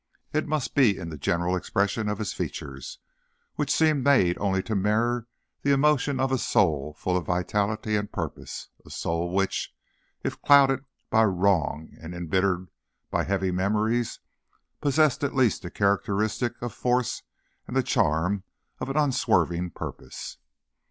It must be in the general expression of his features, which seemed made only to mirror the emotions of a soul full of vitality and purpose a soul which, if clouded by wrongs and embittered by heavy memories, possessed at least the characteristic of force and the charm of an unswerving purpose.